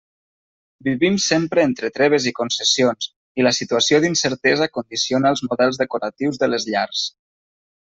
Vivim sempre entre treves i concessions, i la situació d'incertesa condiciona els models decoratius de les llars.